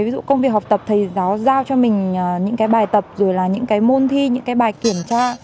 ví dụ công việc học tập thầy giáo giao cho mình những bài tập môn thi những bài kiểm tra